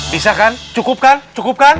bisa kan cukup kan cukup kan